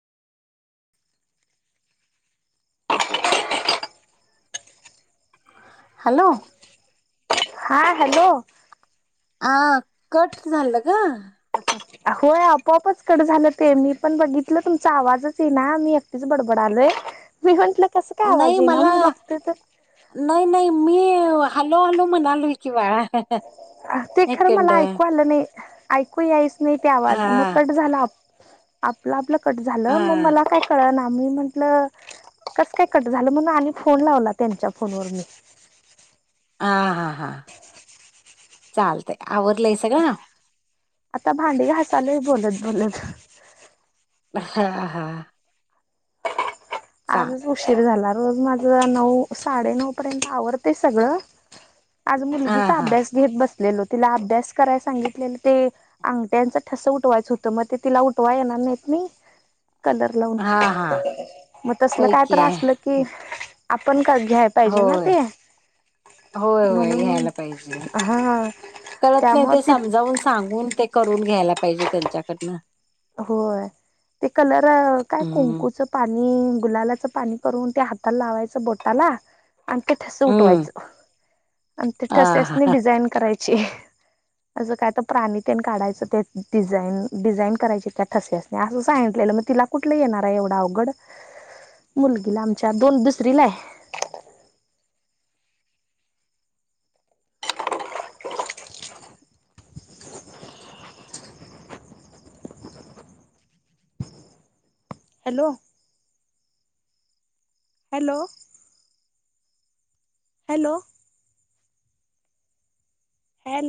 Hello! हा hello. हा, cut झालं गं होय आपोआपच कट झालं ते, मी पण बघितलं तुमचा आवाजच ये ना, मी एकटीच च बडबडालोय. मी म्हटलं, कसं काय आवाज नाही ये ना मला म्हणून बघतोय तर नाही नाही, मी हलो हलो म्हणालो किं बाळा अं ते खरं एकंड मला ऐकू आलं नाही, ऐकू यायच नाही ते हा आवाज, मग कट झाला आपलं आपलं कट झालं, हा मग मला काय कळना, मी म्हटलं, कसं काय कट झालं म्हणून आनी फोन लावला त्यांच्या फोनवर, नी हा हा हा, चालतंय आवरलंय सगळं आता भांडी घासालोय बोलत बोलत हा हा हा हा. चाल आजच उशीर झाला, रोज माझं नऊ साडे नऊ पर्यंत आवरतय सगळं आज हा मुलगीचा हा अभ्यास घेत बसलेलो, तिला अभ्यास करायला सांगितलेलं ते अंगट्यांचं ठस उठवायचं हुतं, मग ते तिला उठवाय येणार नाहीत नाही, कलर लाऊन,, हा हा मग तसलं होय काय की तर असलं की, आपण काळजी घ्या पाहिजे ना होय ते. होय होय म्हणून घ्यायला पाहिजे. हा कळत नाही त्यामुळे ते ती समजावून, सांगून ते करून घ्यायला पाहिजे त्यांच्याकडनं. होय, ते कलर काय हम्म कुंकुचं पाणी, गुलालाचं पाणी करून त्या हाताला लावायचं बोटाला. आणि ते ठसं हम्म उठवायचं, आणि ते हा ठसस्यासनी हा डिझाईन कराय अस काय तर प्राणी तेन काढायचं, ते डिझाईन डिझाइन करायच त्या ठसासनी, असं सांगितलेलं, मग तिला कुठलं येणार हाय एवढं अवघड, मुलगीला आमच्या दोन दुसरीलाय. हॅलो! हॅलो! हॅलो!